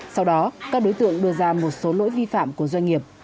sau đó các đối tượng đưa ra một số lỗi vi phạm của doanh nghiệp